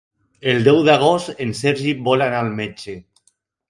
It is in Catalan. El deu d'agost en Sergi vol anar al metge.